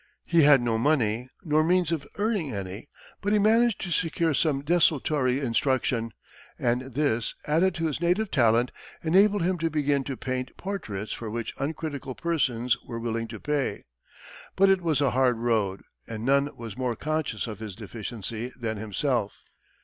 He had no money, nor means of earning any, but he managed to secure some desultory instruction, and this, added to his native talent, enabled him to begin to paint portraits for which uncritical persons were willing to pay. But it was a hard road, and none was more conscious of his deficiencies than himself.